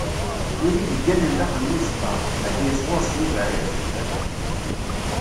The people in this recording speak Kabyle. Win i yegganen daxel n uzeṭṭa, ad d-yas ɣur-s buberrak.